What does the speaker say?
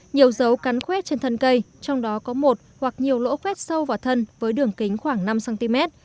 nhiều dấu cắn khuét trên thân cây trong đó có một hoặc nhiều lỗ khuét sâu vào thân với đường kính khoảng năm cm